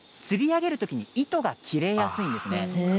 釣り上げるときに糸が切れやすいんです。